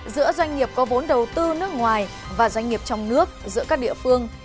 giữa doanh nghiệp có vốn đầu tư nước ngoài và doanh nghiệp trong nước giữa các địa phương